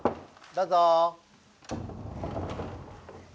どうぞ。